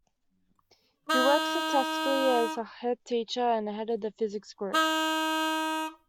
He worked successively as head teacher and head of the physics group.